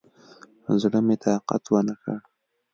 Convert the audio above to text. زړه مې طاقت ونکړ.